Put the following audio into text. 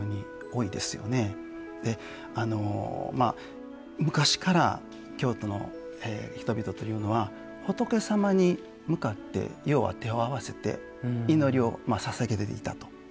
で昔から京都の人々というのは仏様に向かって要は手を合わせて祈りをささげていたと。